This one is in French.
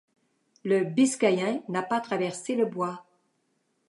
Le biscaïen n’a pas traversé le bois.